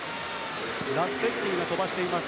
ラッツェッティが飛ばしている。